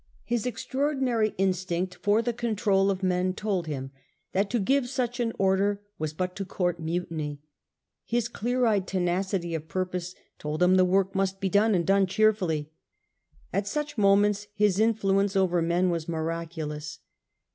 His extraordinary instinct for the control of men told him that to give such an order was but to court mutiny; his clear eyed tenacity of purpose told him the work must be done, and done cheerfully. At such moments his influence over men was miraculous.